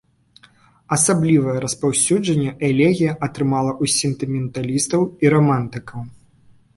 Асаблівае распаўсюджанне элегія атрымала ў сентыменталістаў і рамантыкаў.